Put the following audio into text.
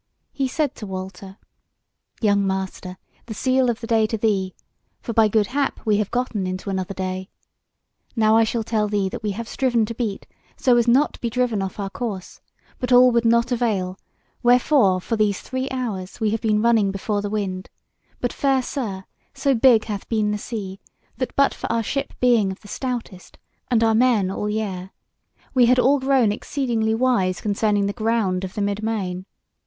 He said to Walter: "Young master, the sele of the day to thee! For by good hap we have gotten into another day. Now I shall tell thee that we have striven to beat, so as not to be driven off our course, but all would not avail, wherefore for these three hours we have been running before the wind; but, fair sir, so big hath been the sea that but for our ship being of the stoutest, and our men all yare, we had all grown exceeding wise concerning the ground of the mid main.